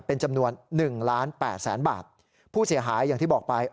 เป็นจำนวนหนึ่งล้านแปดแสนบาทผู้เสียหายอย่างที่บอกไป